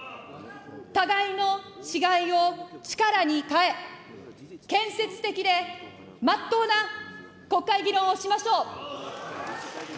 互いの違いを力に変え、建設的でまっとうな国会議論をしましょう。